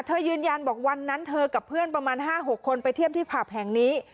ยืนยันบอกวันนั้นเธอกับเพื่อนประมาณ๕๖คนไปเที่ยวที่ผับแห่งนี้